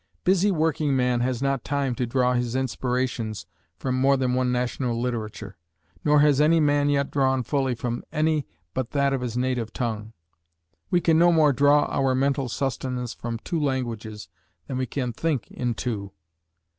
Busy working man has not time to draw his inspiration from more than one national literature. Nor has any man yet drawn fully from any but that of his native tongue. We can no more draw our mental sustenance from two languages than we can think in two.